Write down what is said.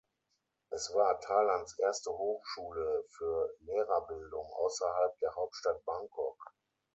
Es war Thailands erste Hochschule für Lehrerbildung außerhalb der Hauptstadt Bangkok.